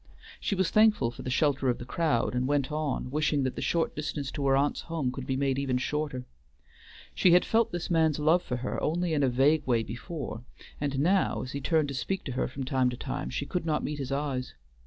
She was thankful for the shelter of the crowd, and went on, wishing that the short distance to her aunt's home could be made even shorter. She had felt this man's love for her only in a vague way before, and now, as he turned to speak to her from time to time, she could not meet his eyes.